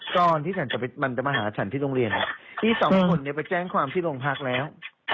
ตอนที่ฉันมันจะมาหาฉันที่โรงเรียนพี่สองคนเนี่ยไปแจ้งความที่โรงพักแล้ว